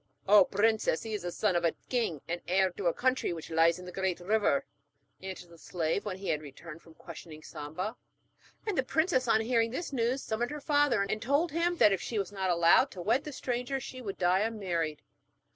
'Oh, princess, he is the son of a king, and heir to a country which lies near the Great River,' answered the slave, when he had returned from questioning Samba. And the princess on hearing this news summoned her father, and told him that if she was not allowed to wed the stranger she would die unmarried.